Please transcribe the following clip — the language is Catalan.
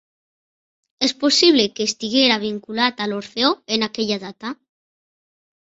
És possible que estiguera vinculat a l'Orfeó en aquella data.